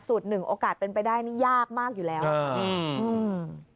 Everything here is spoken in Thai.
หนึ่งโอกาสเป็นไปได้นี่ยากมากอยู่แล้วค่ะอืม